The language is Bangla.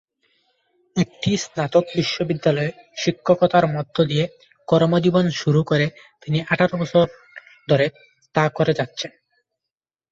একটি স্নাতক বিশ্ববিদ্যালয়ে শিক্ষকতার মধ্য দিয়ে কর্মজীবন শুরু করে তিনি আঠারো বছর ধরে তা করে যাচ্ছেন।